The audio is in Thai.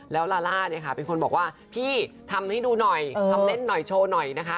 แล้วลาล่าเนี่ยค่ะเป็นคนบอกว่าพี่ทำให้ดูหน่อยทำเล่นหน่อยโชว์หน่อยนะคะ